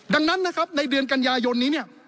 ดังนั้นนะครับในเดือนกันยายนนี้เนี่ย